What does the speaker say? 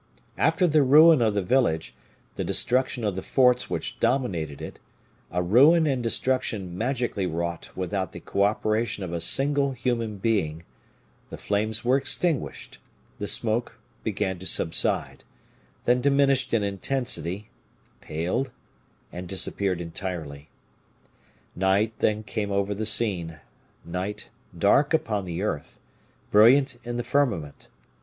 After the ruin of the village, the destruction of the forts which dominated it, a ruin and destruction magically wrought without the co operation of a single human being, the flames were extinguished, the smoke began to subside, then diminished in intensity, paled and disappeared entirely. Night then came over the scene; night dark upon the earth, brilliant in the firmament.